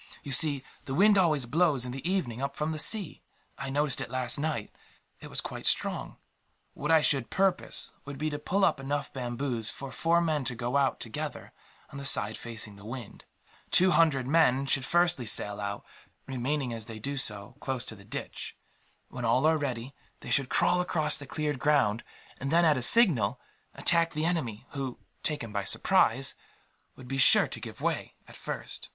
You see, the wind always blows, in the evening, up from the sea. I noticed it last night. It was quite strong. What I should propose would be to pull up enough bamboos for four men to go out, together, on the side facing the wind. Two hundred men should first sally out; remaining, as they do so, close to the ditch. When all are ready, they should crawl across the cleared ground and then, at a signal, attack the enemy who, taken by surprise, would be sure to give way, at first.